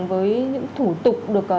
với những thủ tục được